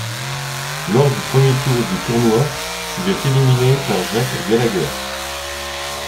Lors du premier tour du tournoi, il est éliminé par Jack Gallagher.